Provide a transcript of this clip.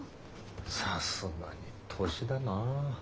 さすがに年だな。